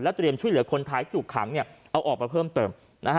เตรียมช่วยเหลือคนไทยที่ถูกขังเอาออกมาเพิ่มเติม